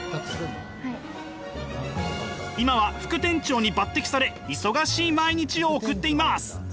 今は副店長に抜てきされ忙しい毎日を送っています。